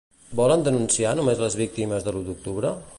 Volen denunciar només les víctimes de l'U d'Octubre?